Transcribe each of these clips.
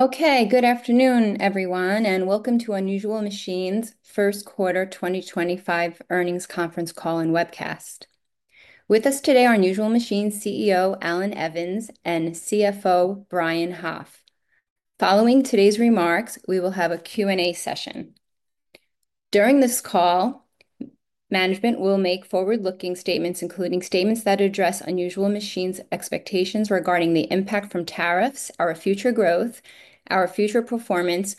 Okay, good afternoon, everyone, and welcome to Unusual Machines' first quarter 2025 earnings conference call and webcast. With us today are Unusual Machines CEO Allan Evans and CFO Brian Hoff. Following today's remarks, we will have a Q&A session. During this call, management will make forward-looking statements, including statements that address Unusual Machines' expectations regarding the impact from tariffs, our future growth, our future performance,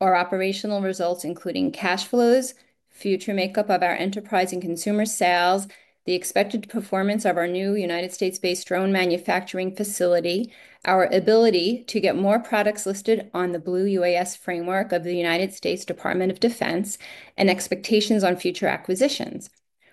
our operational results, including cash flows, future makeup of our enterprise and consumer sales, the expected performance of our new United States-based drone manufacturing facility, our ability to get more products listed on the Blue UAS framework of the United States Department of Defense, and expectations on future acquisitions.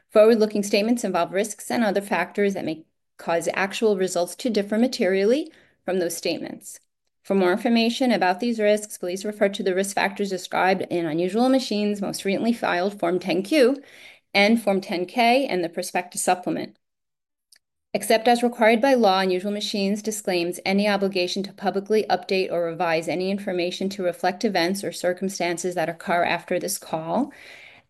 Forward-looking statements involve risks and other factors that may cause actual results to differ materially from those statements. For more information about these risks, please refer to the risk factors described in Unusual Machines' most recently filed Form 10-Q and Form 10-K and the prospective supplement. Except as required by law, Unusual Machines disclaims any obligation to publicly update or revise any information to reflect events or circumstances that occur after this call.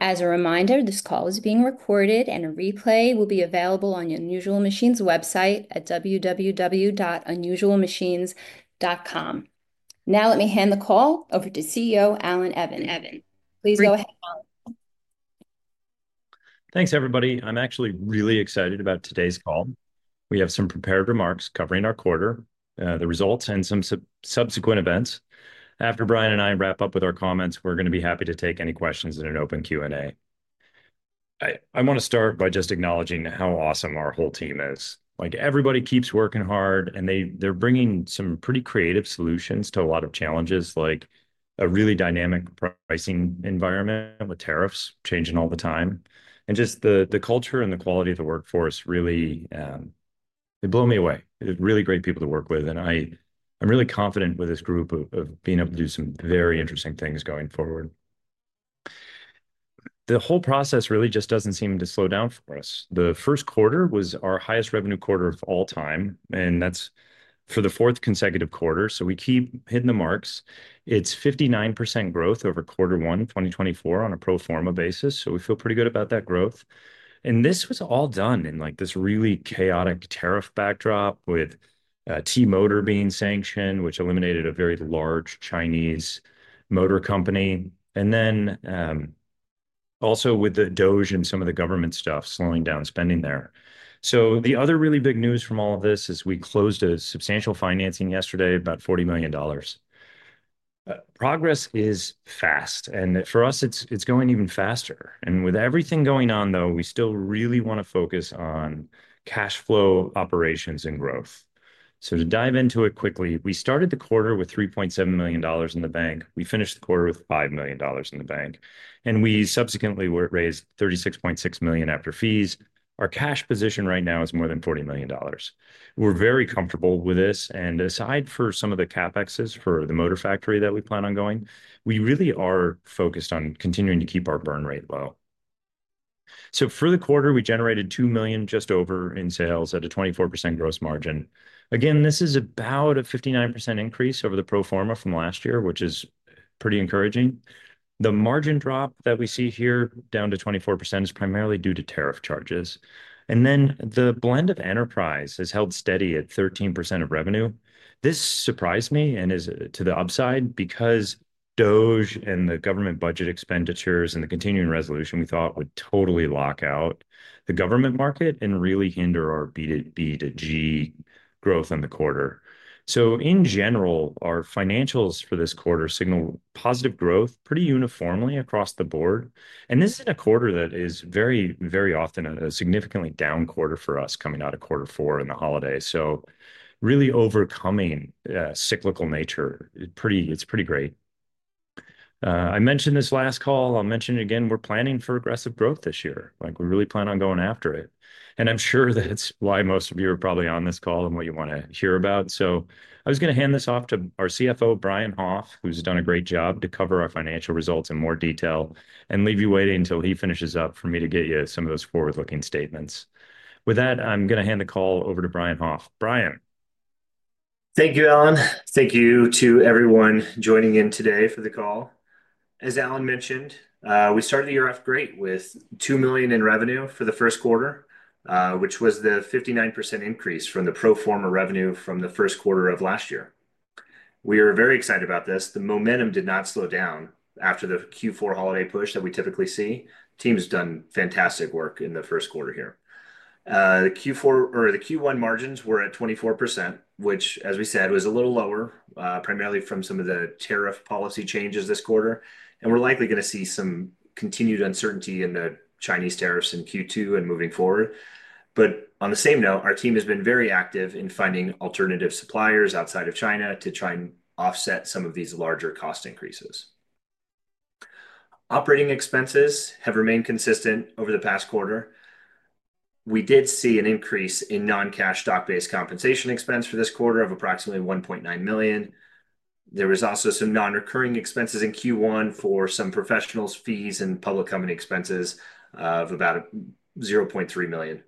As a reminder, this call is being recorded, and a replay will be available on Unusual Machines' website at www.unusualmachines.com. Now let me hand the call over to CEO Allan Evans. Please go ahead. Thanks, everybody. I'm actually really excited about today's call. We have some prepared remarks covering our quarter, the results, and some subsequent events. After Brian and I wrap up with our comments, we're going to be happy to take any questions in an open Q&A. I want to start by just acknowledging how awesome our whole team is. Like, everybody keeps working hard, and they're bringing some pretty creative solutions to a lot of challenges, like a really dynamic pricing environment with tariffs changing all the time. Just the culture and the quality of the workforce really, they blow me away. They're really great people to work with, and I'm really confident with this group of being able to do some very interesting things going forward. The whole process really just doesn't seem to slow down for us. The first quarter was our highest revenue quarter of all time, and that's for the fourth consecutive quarter, so we keep hitting the marks. It's 59% growth over quarter one 2024 on a pro forma basis, so we feel pretty good about that growth. This was all done in, like, this really chaotic tariff backdrop with T-MOTOR being sanctioned, which eliminated a very large Chinese motor company. Also with the DOGE and some of the government stuff slowing down spending there. The other really big news from all of this is we closed a substantial financing yesterday of about $40 million. Progress is fast, and for us, it's going even faster. With everything going on, though, we still really want to focus on cash flow operations and growth. To dive into it quickly, we started the quarter with $3.7 million in the bank. We finished the quarter with $5 million in the bank, and we subsequently raised $36.6 million after fees. Our cash position right now is more than $40 million. We're very comfortable with this, and aside from some of the CapEx for the motor factory that we plan on going, we really are focused on continuing to keep our burn rate low. For the quarter, we generated $2 million just over in sales at a 24% gross margin. Again, this is about a 59% increase over the pro forma from last year, which is pretty encouraging. The margin drop that we see here down to 24% is primarily due to tariff charges. The blend of enterprise has held steady at 13% of revenue. This surprised me and is to the upside because DOGE and the government budget expenditures and the continuing resolution we thought would totally lock out the government market and really hinder our B2G growth in the quarter. In general, our financials for this quarter signal positive growth pretty uniformly across the board. This is a quarter that is very, very often a significantly down quarter for us coming out of quarter four and the holidays. Really overcoming cyclical nature, it's pretty great. I mentioned this last call. I'll mention it again. We're planning for aggressive growth this year. Like, we really plan on going after it. I'm sure that's why most of you are probably on this call and what you want to hear about. I was going to hand this off to our CFO, Brian Hoff, who's done a great job to cover our financial results in more detail and leave you waiting until he finishes up for me to get you some of those forward-looking statements. With that, I'm going to hand the call over to Brian Hoff. Brian. Thank you, Allan. Thank you to everyone joining in today for the call. As Allan mentioned, we started the year off great with $2 million in revenue for the first quarter, which was the 59% increase from the pro forma revenue from the first quarter of last year. We are very excited about this. The momentum did not slow down after the Q4 holiday push that we typically see. The team's done fantastic work in the first quarter here. The Q4 or the Q1 margins were at 24%, which, as we said, was a little lower, primarily from some of the tariff policy changes this quarter. We are likely going to see some continued uncertainty in the Chinese tariffs in Q2 and moving forward. On the same note, our team has been very active in finding alternative suppliers outside of China to try and offset some of these larger cost increases. Operating expenses have remained consistent over the past quarter. We did see an increase in non-cash stock-based compensation expense for this quarter of approximately $1.9 million. There were also some non-recurring expenses in Q1 for some professionals, fees, and public company expenses of about $0.3 million.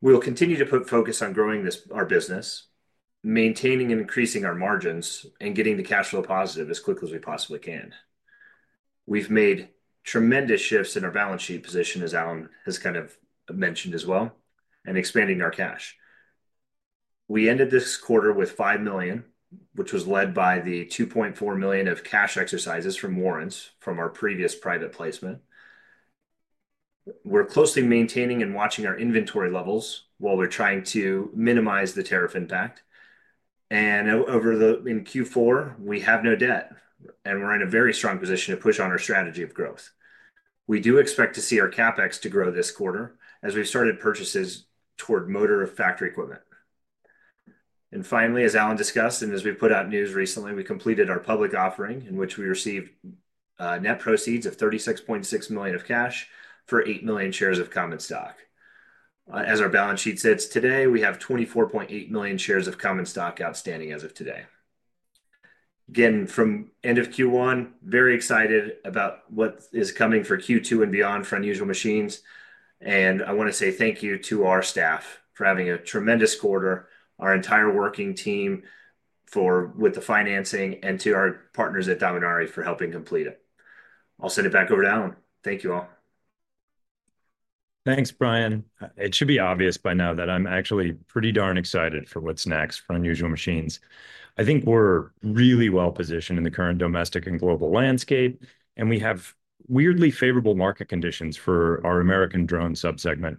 We'll continue to put focus on growing our business, maintaining and increasing our margins, and getting the cash flow positive as quickly as we possibly can. We've made tremendous shifts in our balance sheet position, as Allan has kind of mentioned as well, and expanding our cash. We ended this quarter with $5 million, which was led by the $2.4 million of cash exercises from warrants from our previous private placement. We're closely maintaining and watching our inventory levels while we're trying to minimize the tariff impact. Over the in Q4, we have no debt, and we're in a very strong position to push on our strategy of growth. We do expect to see our CapEx to grow this quarter as we've started purchases toward motor factory equipment. Finally, as Allan discussed and as we put out news recently, we completed our public offering in which we received net proceeds of $36.6 million of cash for 8 million shares of common stock. As our balance sheet sits today, we have 24.8 million shares of common stock outstanding as of today. Again, from end of Q1, very excited about what is coming for Q2 and beyond for Unusual Machines. I want to say thank you to our staff for having a tremendous quarter, our entire working team with the financing, and to our partners at Dominaris for helping complete it. I'll send it back over to Allan. Thank you all. Thanks, Brian. It should be obvious by now that I'm actually pretty darn excited for what's next for Unusual Machines. I think we're really well positioned in the current domestic and global landscape, and we have weirdly favorable market conditions for our American drone subsegment.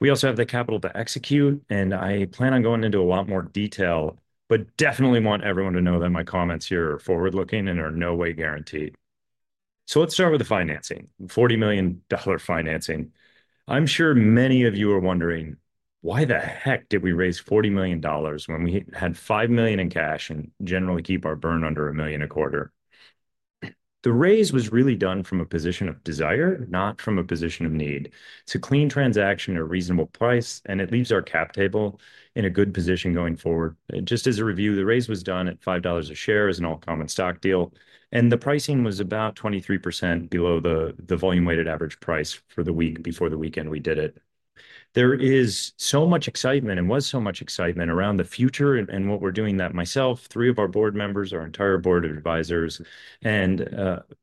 We also have the capital to execute, and I plan on going into a lot more detail, but definitely want everyone to know that my comments here are forward-looking and are no way guaranteed. Let's start with the financing, $40 million financing. I'm sure many of you are wondering, why the heck did we raise $40 million when we had $5 million in cash and generally keep our burn under $1 million a quarter? The raise was really done from a position of desire, not from a position of need, to clean transaction at a reasonable price, and it leaves our cap table in a good position going forward. Just as a review, the raise was done at $5 a share as an all-common stock deal, and the pricing was about 23% below the volume-weighted average price for the week before the weekend we did it. There is so much excitement and was so much excitement around the future and what we're doing that myself, three of our board members, our entire board of advisors, and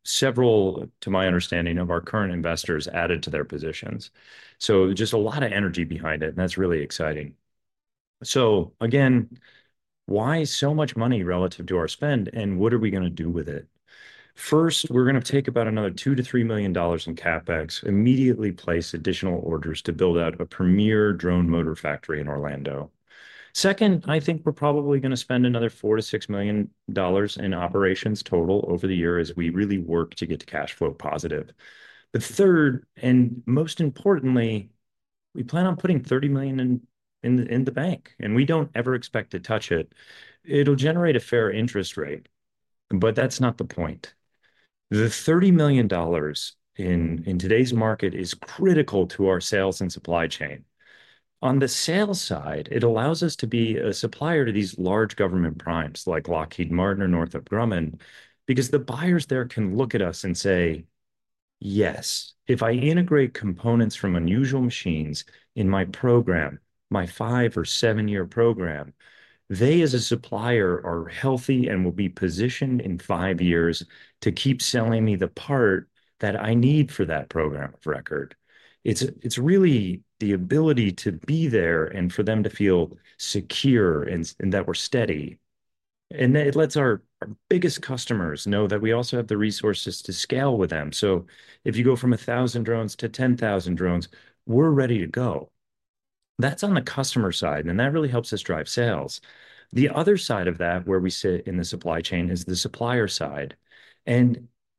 several, to my understanding, of our current investors added to their positions. Just a lot of energy behind it, and that's really exciting. Again, why so much money relative to our spend, and what are we going to do with it? First, we're going to take about another $2 million-$3 million in CapEx, immediately place additional orders to build out a premier drone motor factory in Orlando. Second, I think we're probably going to spend another $4 million-$6 million in operations total over the year as we really work to get the cash flow positive. The third, and most importantly, we plan on putting $30 million in the bank, and we don't ever expect to touch it. It'll generate a fair interest rate, but that's not the point. The $30 million in today's market is critical to our sales and supply chain. On the sales side, it allows us to be a supplier to these large government primes like Lockheed Martin or Northrop Grumman because the buyers there can look at us and say, "Yes, if I integrate components from Unusual Machines in my program, my five or seven-year program, they as a supplier are healthy and will be positioned in five years to keep selling me the part that I need for that program of record." It is really the ability to be there and for them to feel secure and that we're steady. It lets our biggest customers know that we also have the resources to scale with them. If you go from 1,000 drones to 10,000 drones, we're ready to go. That is on the customer side, and that really helps us drive sales. The other side of that where we sit in the supply chain is the supplier side.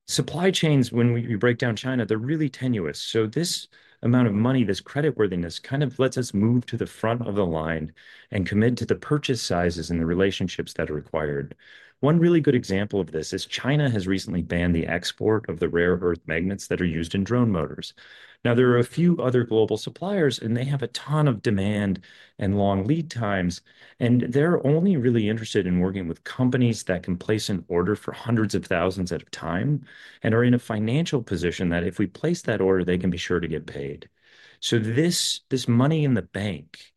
Supply chains, when we break down China, they're really tenuous. This amount of money, this creditworthiness kind of lets us move to the front of the line and commit to the purchase sizes and the relationships that are required. One really good example of this is China has recently banned the export of the rare earth magnets that are used in drone motors. Now, there are a few other global suppliers, and they have a ton of demand and long lead times, and they're only really interested in working with companies that can place an order for hundreds of thousands at a time and are in a financial position that if we place that order, they can be sure to get paid. This money in the bank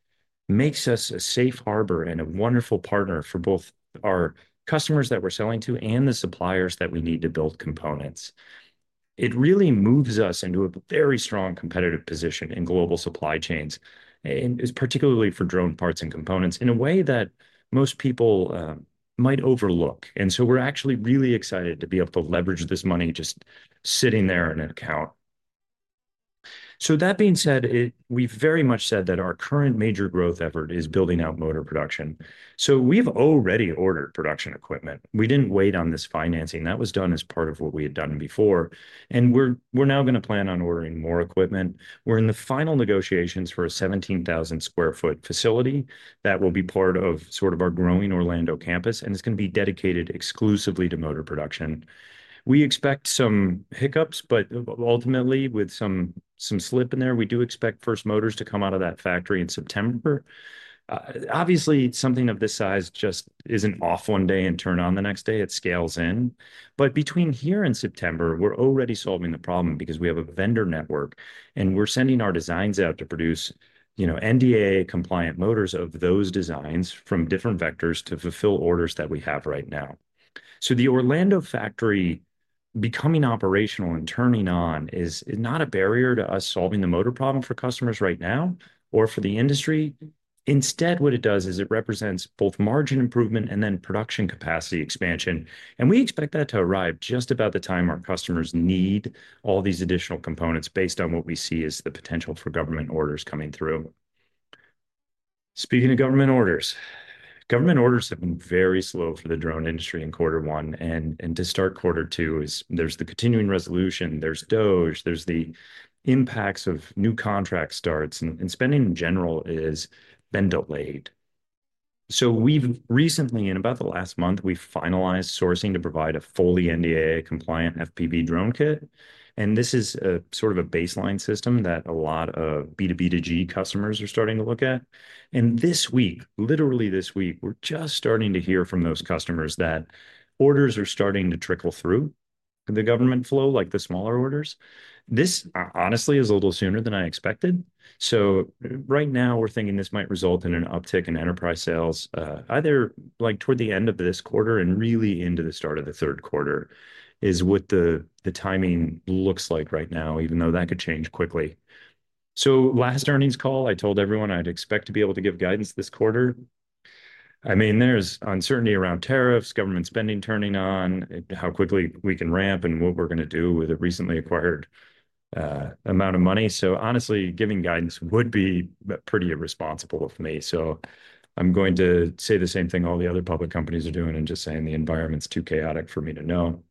makes us a safe harbor and a wonderful partner for both our customers that we're selling to and the suppliers that we need to build components. It really moves us into a very strong competitive position in global supply chains, and it's particularly for drone parts and components in a way that most people might overlook. We're actually really excited to be able to leverage this money just sitting there in an account. That being said, we've very much said that our current major growth effort is building out motor production. We've already ordered production equipment. We didn't wait on this financing. That was done as part of what we had done before. We're now going to plan on ordering more equipment. We're in the final negotiations for a 17,000 sq ft facility that will be part of sort of our growing Orlando campus, and it's going to be dedicated exclusively to motor production. We expect some hiccups, but ultimately, with some slip in there, we do expect first motors to come out of that factory in September. Obviously, something of this size just isn't off one day and turned on the next day. It scales in. Between here and September, we're already solving the problem because we have a vendor network, and we're sending our designs out to produce NDAA compliant motors of those designs from different vectors to fulfill orders that we have right now. The Orlando factory becoming operational and turning on is not a barrier to us solving the motor problem for customers right now or for the industry. Instead, what it does is it represents both margin improvement and then production capacity expansion. We expect that to arrive just about the time our customers need all these additional components based on what we see as the potential for government orders coming through. Speaking of government orders, government orders have been very slow for the drone industry in quarter one and to start quarter two. There is the continuing resolution, there is DOGE, there are the impacts of new contract starts, and spending in general has been delayed. We have recently, in about the last month, finalized sourcing to provide a fully NDAA compliant FPV drone kit. This is sort of a baseline system that a lot of B2B2G customers are starting to look at. This week, literally this week, we're just starting to hear from those customers that orders are starting to trickle through the government flow, like the smaller orders. This honestly is a little sooner than I expected. Right now, we're thinking this might result in an uptick in enterprise sales either toward the end of this quarter and really into the start of the third quarter is what the timing looks like right now, even though that could change quickly. Last earnings call, I told everyone I'd expect to be able to give guidance this quarter. I mean, there's uncertainty around tariffs, government spending turning on, how quickly we can ramp, and what we're going to do with a recently acquired amount of money. Honestly, giving guidance would be pretty irresponsible of me. I'm going to say the same thing all the other public companies are doing and just saying the environment's too chaotic for me to know.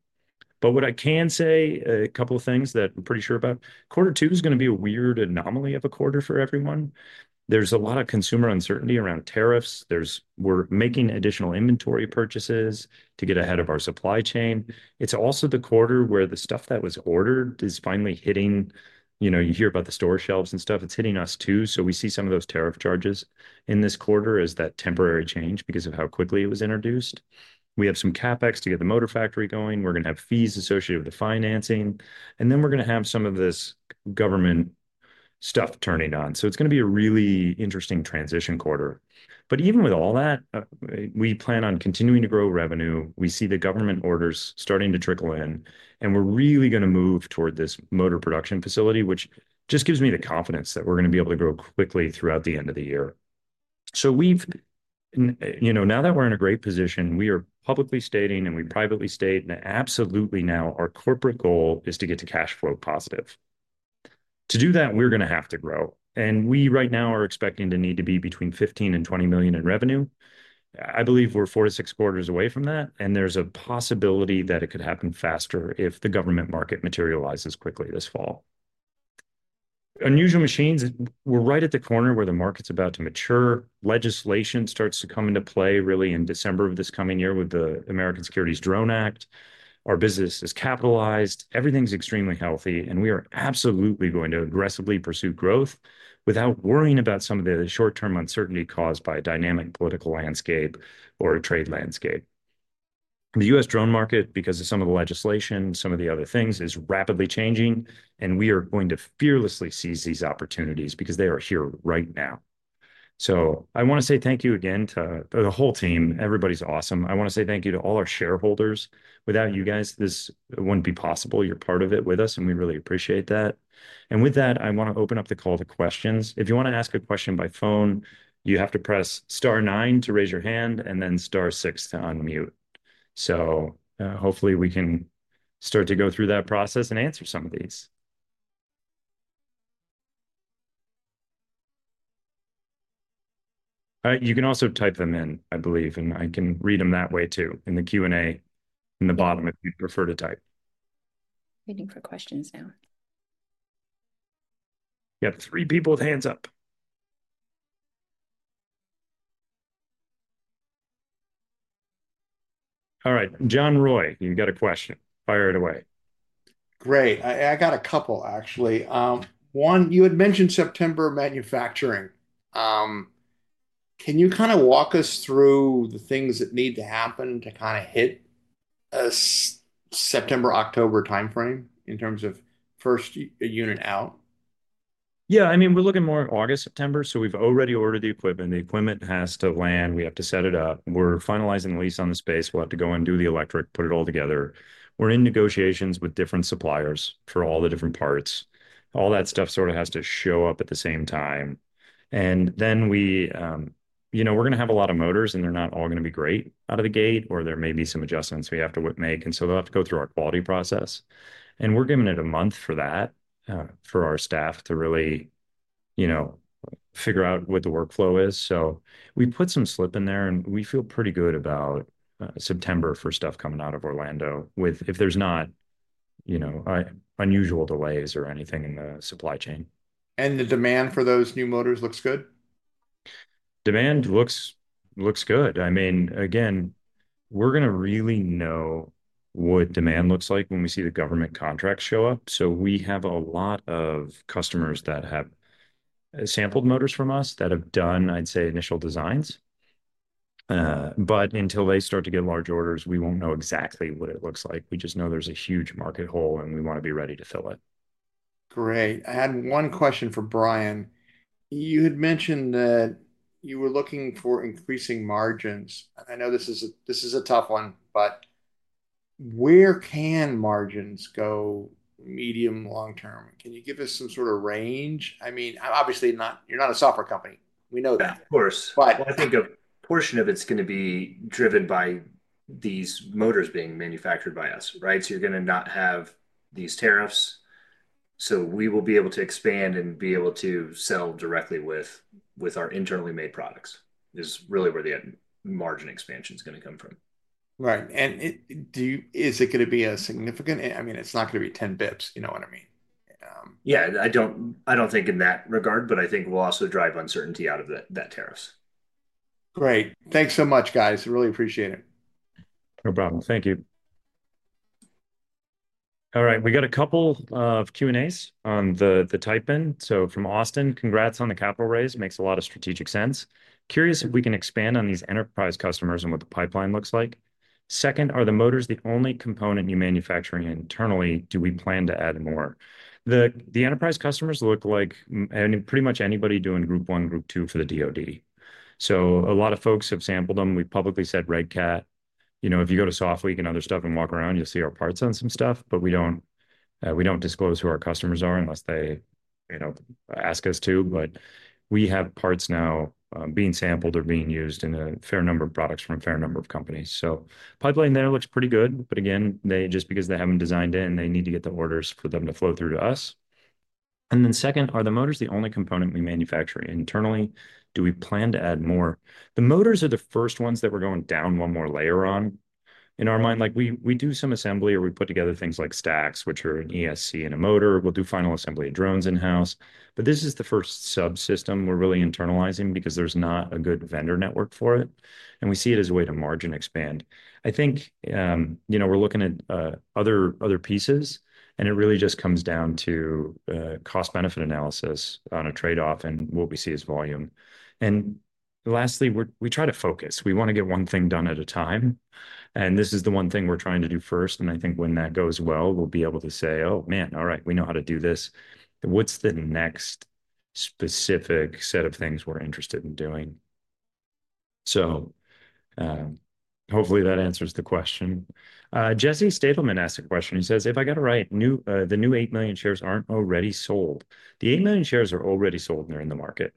What I can say, a couple of things that I'm pretty sure about, quarter two is going to be a weird anomaly of a quarter for everyone. There's a lot of consumer uncertainty around tariffs. We're making additional inventory purchases to get ahead of our supply chain. It's also the quarter where the stuff that was ordered is finally hitting. You hear about the store shelves and stuff. It's hitting us too. We see some of those tariff charges in this quarter as that temporary change because of how quickly it was introduced. We have some CapEx to get the motor factory going. We're going to have fees associated with the financing. We're going to have some of this government stuff turning on. It's going to be a really interesting transition quarter. Even with all that, we plan on continuing to grow revenue. We see the government orders starting to trickle in, and we're really going to move toward this motor production facility, which just gives me the confidence that we're going to be able to grow quickly throughout the end of the year. Now that we're in a great position, we are publicly stating and we privately state, and absolutely now our corporate goal is to get to cash flow positive. To do that, we're going to have to grow. We right now are expecting to need to be between $15 million and $20 million in revenue. I believe we're four to six quarters away from that, and there's a possibility that it could happen faster if the government market materializes quickly this fall. Unusual Machines, we're right at the corner where the market's about to mature. Legislation starts to come into play really in December of this coming year with the American Securities Drone Act. Our business is capitalized. Everything's extremely healthy, and we are absolutely going to aggressively pursue growth without worrying about some of the short-term uncertainty caused by a dynamic political landscape or a trade landscape. The US drone market, because of some of the legislation, some of the other things, is rapidly changing, and we are going to fearlessly seize these opportunities because they are here right now. I want to say thank you again to the whole team. Everybody's awesome. I want to say thank you to all our shareholders. Without you guys, this wouldn't be possible. You're part of it with us, and we really appreciate that. With that, I want to open up the call to questions. If you want to ask a question by phone, you have to press star nine to raise your hand and then star six to unmute. Hopefully we can start to go through that process and answer some of these. All right. You can also type them in, I believe, and I can read them that way too in the Q&A in the bottom if you prefer to type. Waiting for questions now. We have three people with hands up. All right. John Roy, you've got a question. Fire it away. Great. I got a couple, actually. One, you had mentioned September manufacturing. Can you kind of walk us through the things that need to happen to kind of hit a September, October timeframe in terms of first unit out? Yeah. I mean, we're looking more at August, September. We've already ordered the equipment. The equipment has to land. We have to set it up. We're finalizing the lease on the space. We'll have to go and do the electric, put it all together. We're in negotiations with different suppliers for all the different parts. All that stuff sort of has to show up at the same time. We're going to have a lot of motors, and they're not all going to be great out of the gate, or there may be some adjustments we have to make. They'll have to go through our quality process. We're giving it a month for that for our staff to really figure out what the workflow is. We put some slip in there, and we feel pretty good about September for stuff coming out of Orlando if there's not unusual delays or anything in the supply chain. The demand for those new motors looks good? Demand looks good. I mean, again, we're going to really know what demand looks like when we see the government contracts show up. We have a lot of customers that have sampled motors from us that have done, I'd say, initial designs. Until they start to get large orders, we won't know exactly what it looks like. We just know there's a huge market hole, and we want to be ready to fill it. Great. I had one question for Brian. You had mentioned that you were looking for increasing margins. I know this is a tough one, but where can margins go medium, long-term? Can you give us some sort of range? I mean, obviously, you're not a software company. We know that. Of course. I think a portion of it's going to be driven by these motors being manufactured by us, right? You're going to not have these tariffs. We will be able to expand and be able to sell directly with our internally made products. That is really where the margin expansion is going to come from. Right. Is it going to be a significant—I mean, it's not going to be 10 bps, you know what I mean? Yeah. I don't think in that regard, but I think we'll also drive uncertainty out of that, tariffs. Great. Thanks so much, guys. Really appreciate it. No problem. Thank you. All right. We got a couple of Q&As on the typing. From Austin, congrats on the capital raise. Makes a lot of strategic sense. Curious if we can expand on these enterprise customers and what the pipeline looks like. Second, are the motors the only component you manufacture internally? Do we plan to add more? The enterprise customers look like pretty much anybody doing group one, group two for the DOD. A lot of folks have sampled them. We publicly said Red Cat. If you go to SoftLeak and other stuff and walk around, you'll see our parts on some stuff, but we don't disclose who our customers are unless they ask us to. We have parts now being sampled or being used in a fair number of products from a fair number of companies. Pipeline there looks pretty good. Just because they have not designed it, and they need to get the orders for them to flow through to us. Second, are the motors the only component we manufacture internally? Do we plan to add more? The motors are the first ones that we are going down one more layer on in our mind. We do some assembly or we put together things like stacks, which are an ESC and a motor. We will do final assembly of drones in-house. This is the first subsystem we are really internalizing because there is not a good vendor network for it. We see it as a way to margin expand. I think we are looking at other pieces, and it really just comes down to cost-benefit analysis on a trade-off and what we see as volume. Lastly, we try to focus. We want to get one thing done at a time. This is the one thing we're trying to do first. I think when that goes well, we'll be able to say, "Oh, man, all right, we know how to do this. What's the next specific set of things we're interested in doing?" Hopefully that answers the question. Jesse Stadelman asked a question. He says, "If I got to write new, the new 8 million shares aren't already sold." The 8 million shares are already sold, and they're in the market.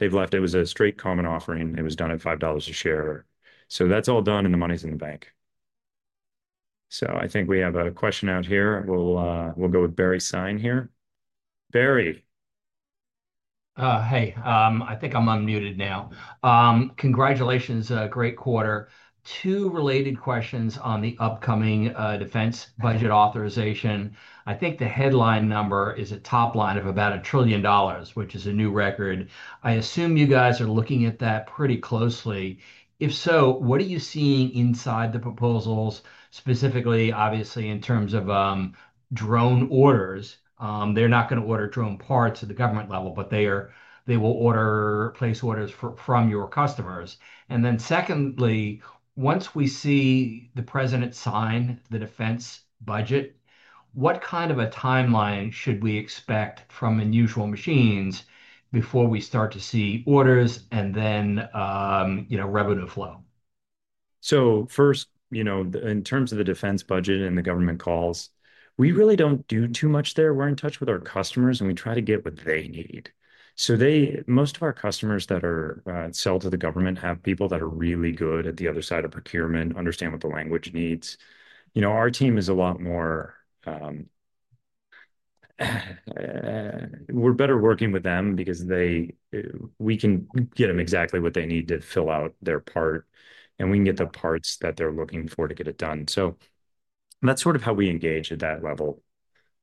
They've left. It was a straight common offering. It was done at $5 a share. That's all done, and the money's in the bank. I think we have a question out here. We'll go with Barry Stein here. Barry. Hey. I think I'm unmuted now. Congratulations. Great quarter. Two related questions on the upcoming defense budget authorization. I think the headline number is a top line of about $1 trillion, which is a new record. I assume you guys are looking at that pretty closely. If so, what are you seeing inside the proposals, specifically, obviously, in terms of drone orders? They're not going to order drone parts at the government level, but they will place orders from your customers. Secondly, once we see the president sign the defense budget, what kind of a timeline should we expect from Unusual Machines before we start to see orders and then revenue flow? First, in terms of the defense budget and the government calls, we really do not do too much there. We are in touch with our customers, and we try to get what they need. Most of our customers that sell to the government have people that are really good at the other side of procurement, understand what the language needs. Our team is a lot more—we are better working with them because we can get them exactly what they need to fill out their part, and we can get the parts that they are looking for to get it done. That is sort of how we engage at that level,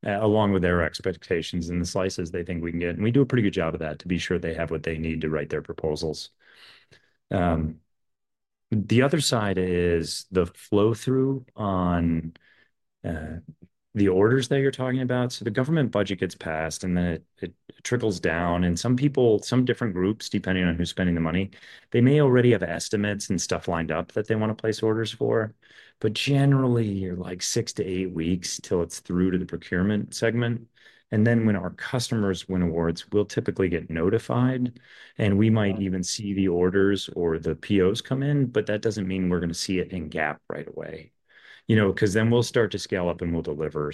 along with their expectations and the slices they think we can get. We do a pretty good job of that to be sure they have what they need to write their proposals. The other side is the flow-through on the orders that you're talking about. The government budget gets passed, and then it trickles down. Some people, some different groups, depending on who's spending the money, they may already have estimates and stuff lined up that they want to place orders for. Generally, you're like six to eight weeks till it's through to the procurement segment. When our customers win awards, we'll typically get notified, and we might even see the orders or the POs come in, but that doesn't mean we're going to see it in GAAP right away because then we'll start to scale up and we'll deliver.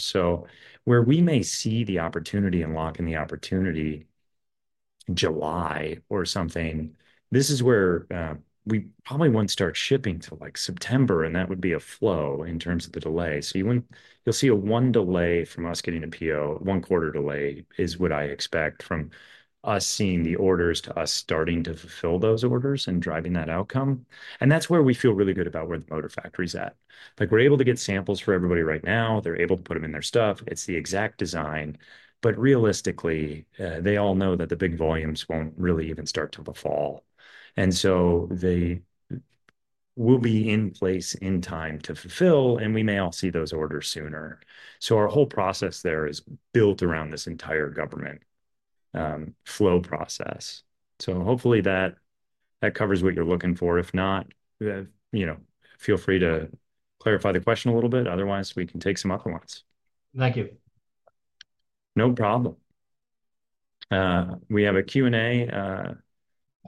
Where we may see the opportunity and lock in the opportunity in July or something, this is where we probably won't start shipping till September, and that would be a flow in terms of the delay. You'll see a one quarter delay from us getting a PO, one quarter delay is what I expect from us seeing the orders to us starting to fulfill those orders and driving that outcome. That's where we feel really good about where the motor factory's at. We're able to get samples for everybody right now. They're able to put them in their stuff. It's the exact design. Realistically, they all know that the big volumes won't really even start till the fall. They will be in place in time to fulfill, and we may all see those orders sooner. Our whole process there is built around this entire government flow process. Hopefully that covers what you're looking for. If not, feel free to clarify the question a little bit. Otherwise, we can take some other ones. Thank you. No problem. We have a Q&A.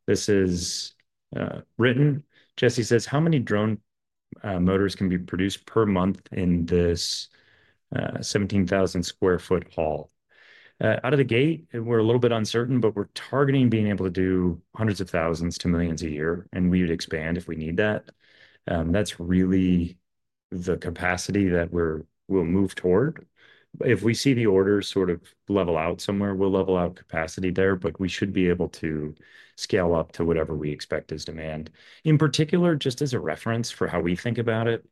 This is written. Jesse says, "How many drone motors can be produced per month in this 17,000 sq ft hall?" Out of the gate, we're a little bit uncertain, but we're targeting being able to do hundreds of thousands to millions a year, and we would expand if we need that. That's really the capacity that we'll move toward. If we see the orders sort of level out somewhere, we'll level out capacity there, but we should be able to scale up to whatever we expect is demand. In particular, just as a reference for how we think about it,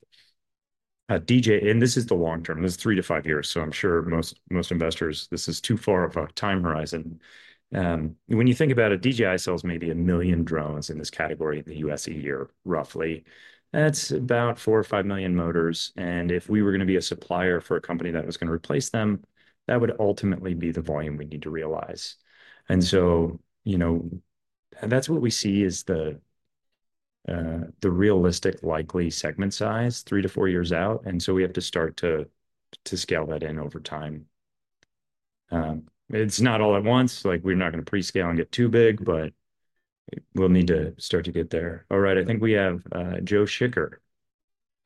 and this is the long term, this is three to five years. I am sure most investors, this is too far of a time horizon. When you think about it, DJI sells maybe a million drones in this category in the US a year, roughly. That's about four or five million motors. If we were going to be a supplier for a company that was going to replace them, that would ultimately be the volume we need to realize. That is what we see as the realistic likely segment size three to four years out. We have to start to scale that in over time. It's not all at once. We're not going to prescale and get too big, but we'll need to start to get there. All right. I think we have Joe Schicker.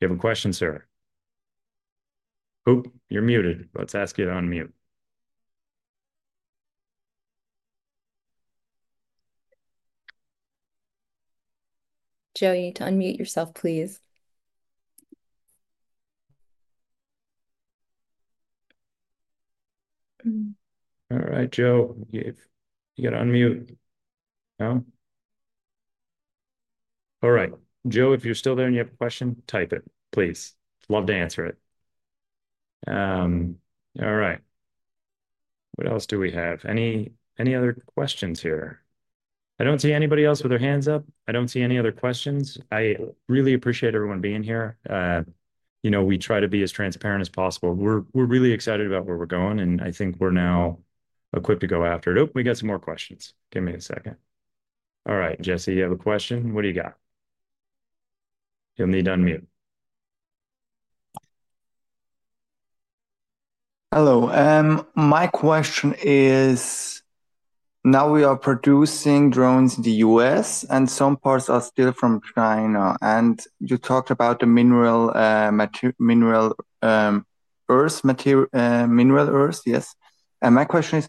Do you have a question, sir? Oh, you're muted. Let's ask you to unmute. Joe, you need to unmute yourself, please. All right, Joe. You got to unmute. No? All right. Joe, if you're still there and you have a question, type it, please. Love to answer it. All right. What else do we have? Any other questions here? I do not see anybody else with their hands up. I do not see any other questions. I really appreciate everyone being here. We try to be as transparent as possible. We're really excited about where we're going, and I think we're now equipped to go after it. Oh, we got some more questions. Give me a second. All right, Jesse, you have a question? What do you got? You'll need to unmute. Hello. My question is, now we are producing drones in the U.S., and some parts are still from China. You talked about the mineral earth, mineral earth, yes. My question is,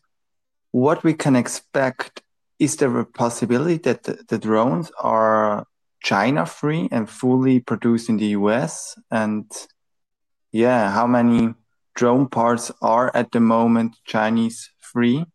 what we can expect, is there a possibility that the drones are China-free and fully produced in the U.S.? Yeah, how many drone parts are at the moment Chinese-free?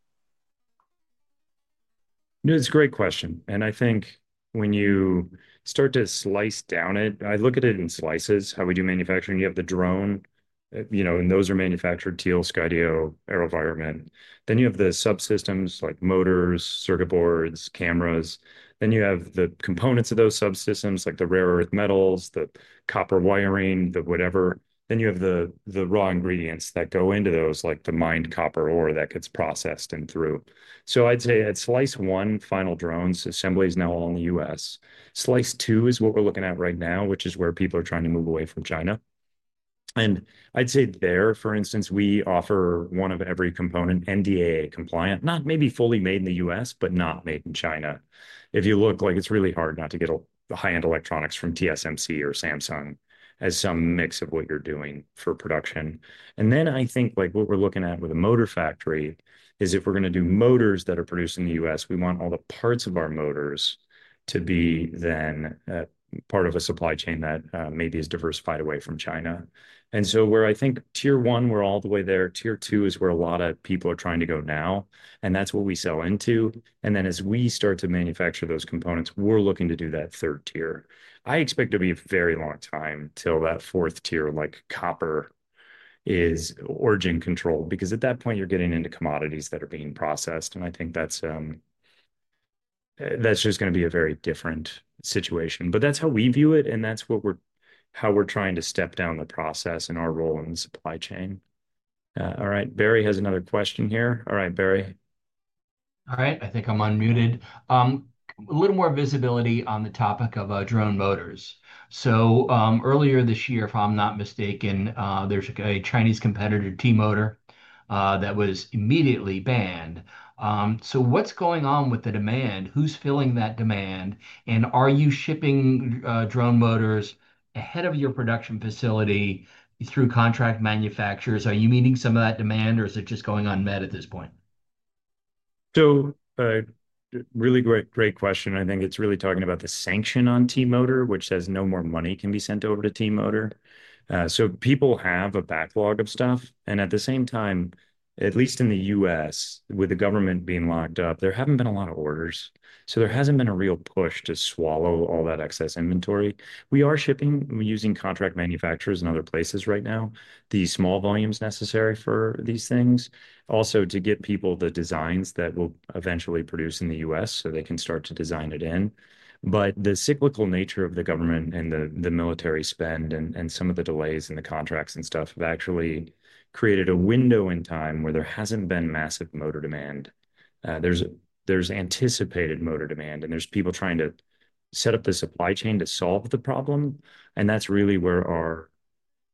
No, it's a great question. I think when you start to slice down it, I look at it in slices, how we do manufacturing. You have the drone, and those are manufactured, Teal, Skydio, AeroVironment. You have the subsystems like motors, circuit boards, cameras. You have the components of those subsystems like the rare earth metals, the copper wiring, the whatever. You have the raw ingredients that go into those like the mined copper ore that gets processed and through. I'd say at slice one, final drones, assemblies now all in the U.S. Slice two is what we're looking at right now, which is where people are trying to move away from China. I'd say there, for instance, we offer one of every component, NDAA compliant, not maybe fully made in the U.S., but not made in China. If you look, it's really hard not to get a high-end electronics from TSMC or Samsung as some mix of what you're doing for production. I think what we're looking at with a motor factory is if we're going to do motors that are produced in the U.S., we want all the parts of our motors to be then part of a supply chain that maybe is diversified away from China. Where I think tier one, we're all the way there. Tier two is where a lot of people are trying to go now, and that's what we sell into. As we start to manufacture those components, we're looking to do that third tier. I expect it to be a very long time till that fourth tier, like copper, is origin control because at that point, you're getting into commodities that are being processed. I think that's just going to be a very different situation. That's how we view it, and that's how we're trying to step down the process and our role in the supply chain. All right. Barry has another question here. All right, Barry. All right. I think I'm unmuted. A little more visibility on the topic of drone motors. Earlier this year, if I'm not mistaken, there's a Chinese competitor, T-MOTOR, that was immediately banned. What's going on with the demand? Who's filling that demand? Are you shipping drone motors ahead of your production facility through contract manufacturers? Are you meeting some of that demand, or is it just going unmet at this point? Really great question. I think it's really talking about the sanction on T-MOTOR, which says no more money can be sent over to T-MOTOR. People have a backlog of stuff. At the same time, at least in the U.S., with the government being locked up, there haven't been a lot of orders. There hasn't been a real push to swallow all that excess inventory. We are shipping using contract manufacturers in other places right now, the small volumes necessary for these things, also to get people the designs that we'll eventually produce in the U.S. so they can start to design it in. The cyclical nature of the government and the military spend and some of the delays in the contracts and stuff have actually created a window in time where there hasn't been massive motor demand. There's anticipated motor demand, and there's people trying to set up the supply chain to solve the problem. That's really where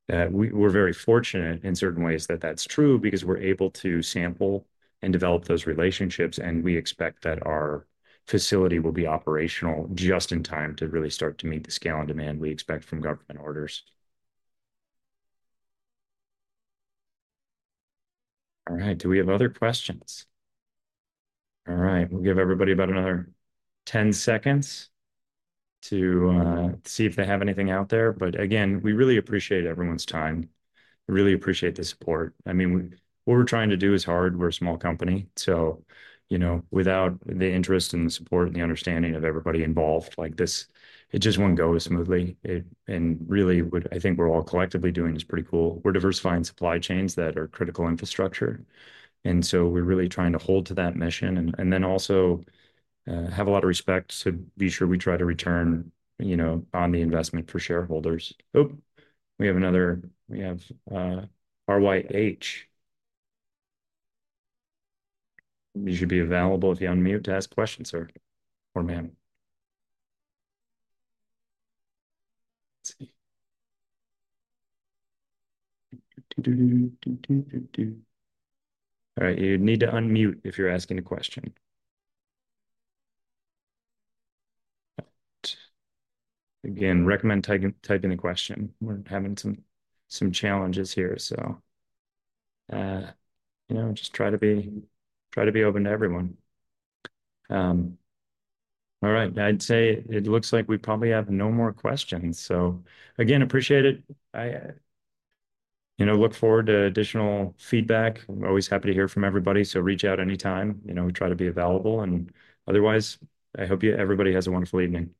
we're very fortunate in certain ways that that's true because we're able to sample and develop those relationships, and we expect that our facility will be operational just in time to really start to meet the scale and demand we expect from government orders. All right. Do we have other questions? All right. We'll give everybody about another 10 seconds to see if they have anything out there. Again, we really appreciate everyone's time. We really appreciate the support. I mean, what we're trying to do is hard. We're a small company. Without the interest and the support and the understanding of everybody involved like this, it just won't go as smoothly. Really, what I think we're all collectively doing is pretty cool. We're diversifying supply chains that are critical infrastructure. We are really trying to hold to that mission and then also have a lot of respect to be sure we try to return on the investment for shareholders. Oh, we have another—we have RYH. You should be available if you unmute to ask questions, sir or ma'am. All right. You need to unmute if you're asking a question. Again, recommend typing a question. We're having some challenges here. Just try to be open to everyone. All right. I'd say it looks like we probably have no more questions. Again, appreciate it. Look forward to additional feedback. We're always happy to hear from everybody. Reach out anytime. We try to be available. Otherwise, I hope everybody has a wonderful evening. Bye.